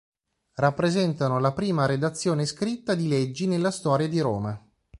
Rappresentano la prima redazione scritta di leggi nella storia di Roma.